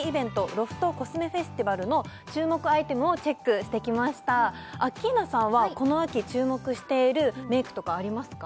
ロフトコスメフェスティバルの注目アイテムをチェックしてきましたアッキーナさんはこの秋注目しているメイクとかありますか？